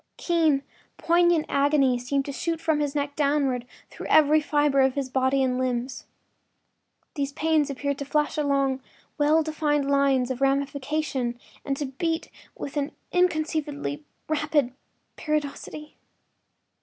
Keen, poignant agonies seemed to shoot from his neck downward through every fiber of his body and limbs. These pains appeared to flash along well defined lines of ramification and to beat with an inconceivably rapid periodicity.